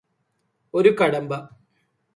ഒരു കടമ്പ